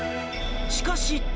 しかし。